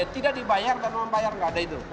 tidak dibayar dan membayar nggak ada itu